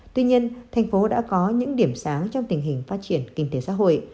tuy nhiên thành phố đã có những điểm sáng trong tình hình phát triển kinh tế xã hội